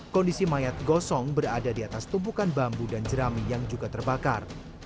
kondisi mayat gosong berada di atas tumpukan bambu dan jerami yang juga terbakar